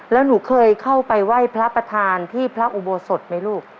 แล้วหนูเคยเข้าไปไหว้พระประธานที่พระอุโบสถไหมลูก